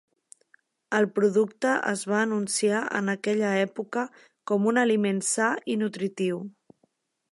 El producte es va anunciar en aquella època com un aliment sa i nutritiu.